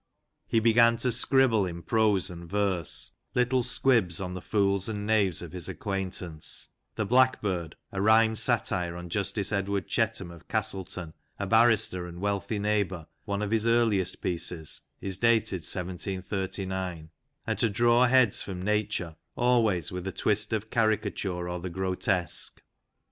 He began to scribble, in prose and verse, little squibs on the fools and knaves of his acquaintance (" The Blackbird," a rhymed satire on Justice Edward Chetham, of Castleton, a barrister and wealthy neighbour, one of his earliest pieces, is dated 1739), and to draw heads from Nature, always with a twist of caricature or the grotesque.